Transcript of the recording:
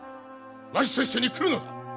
わしと一緒に来るのだ！